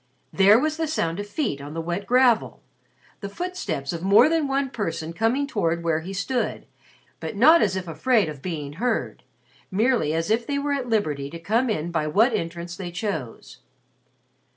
There was the sound of feet on the wet gravel, the footsteps of more than one person coming toward where he stood, but not as if afraid of being heard; merely as if they were at liberty to come in by what entrance they chose.